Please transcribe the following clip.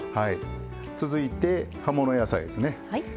続いて葉物野菜ですね。